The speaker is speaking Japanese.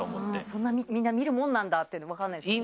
そんなにみんな見るもんなんだっていうのも分からないですもんね。